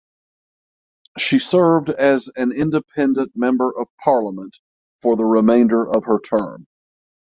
She served as an independent member of parliament for the remainder of her term.